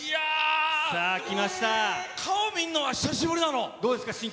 顔見るのは久しぶりなの。